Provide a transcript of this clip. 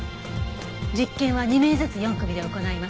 実験は２名ずつ４組で行います。